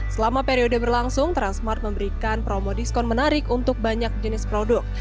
selama periode berlangsung transmart memberikan promo diskon menarik untuk banyak jenis produk